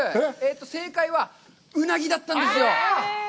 正解は、うなぎだったんですよ。